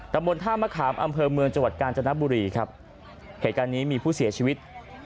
บนท่ามะขามอำเภอเมืองจังหวัดกาญจนบุรีครับเหตุการณ์นี้มีผู้เสียชีวิต